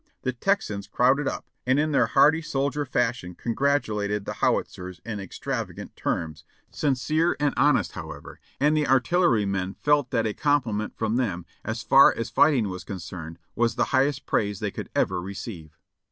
''The Texans crowded up, and in their hearty soldier fashion congratulated the Howitzers in extravagant terms, sincere and honest, however, and the artillerymen felt that a compliment from them, as far as fighting was concerned, was the highest praise they could ever receive.